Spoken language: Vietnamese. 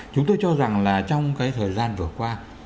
chúng tôi cho rằng là trong cái thời gian vừa qua